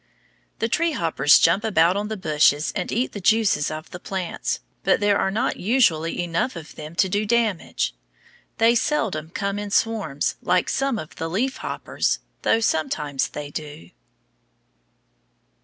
The tree hoppers jump about on the bushes and eat the juices of the plants, but there are not usually enough of them to do damage. They seldom come in swarms like some of the leaf hoppers, though sometimes they do.